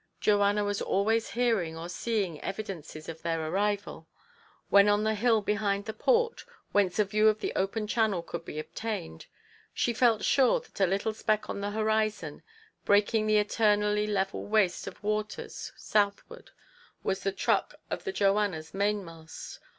Joanna was always hearing or seeing evi dences of their arrival. When on the hill behind the port, whence a view of the open Channel could be obtained, she felt sure that a little speck on the horizon, breaking the eter nally level waste of waters southward, was the truck of the Joannas mainmast.